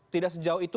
tidak sejauh itu